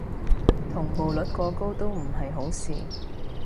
同步率過高都唔係好事